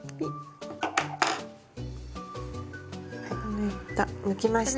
抜いた抜きました。